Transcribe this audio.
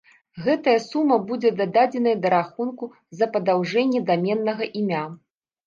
Гэтая сума будзе дададзеная да рахунка за падаўжэнне даменнага імя.